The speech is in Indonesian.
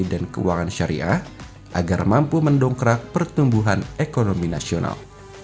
pertama ekonomi dan keuangan syariah agar mampu mendongkrak pertumbuhan ekonomi nasional